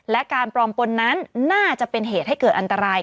และการปลอมปนนั้นน่าจะเป็นเหตุให้เกิดอันตราย